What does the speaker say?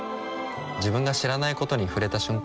自分が知らないことに触れた瞬間